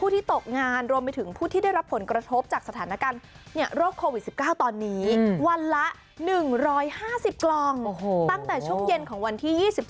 ตั้งแต่ช่วงเย็นของวันที่